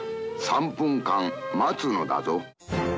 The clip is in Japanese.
「３分間待つのだぞ」。